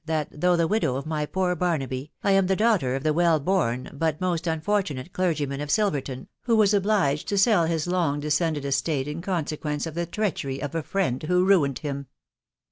that, though: the widow of: my poor Barnaby, I am the daughter of the well born but most unroF* tturote clergyman o£ Silverton, who was obliged: to sell his loitg desoemiedf estate in consequence, of the treachery of a friend who ruined him.